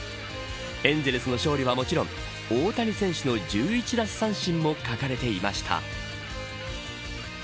エンゼルスの勝利はもちろん大谷選手の１１奪三振も書かれていました。